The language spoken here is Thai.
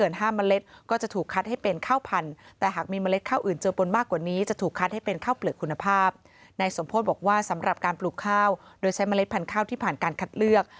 โดยใช้เมล็ดพันธุ์ข้าวที่ผ่านการคัดเลือก